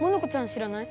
知らない？